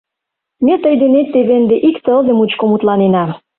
— Ме тый денет теве ынде ик тылзе мучко мутланена.